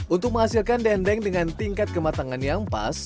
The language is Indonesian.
untuk menghasilkan dendeng dengan tingkat kematangan yang pas